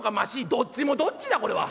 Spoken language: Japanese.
「どっちもどっちだこれは。